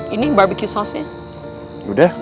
ini barbecue sauce nya udah